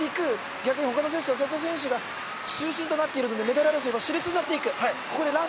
逆に他の選手は瀬戸選手が中心となっているのを抜けられずに熾烈になっていく。